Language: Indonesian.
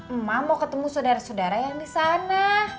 emak mau ketemu sodara sodara yang disana